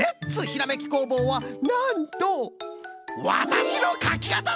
ひらめき工房」はなんと「わたしのかきかた」